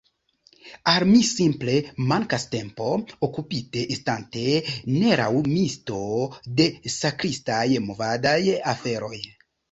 Al mi simple mankas tempo, okupite, estante neraŭmisto, de sakritaj movadaj aferoj.